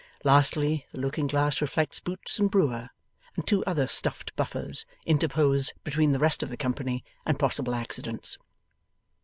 Lastly, the looking glass reflects Boots and Brewer, and two other stuffed Buffers interposed between the rest of the company and possible accidents.